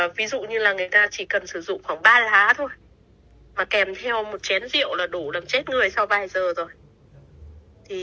ví dụ như là người ta chỉ cần sử dụng khoảng ba lá thôi mà kèm theo một chén rượu là đủ làm chết người sau vài giờ rồi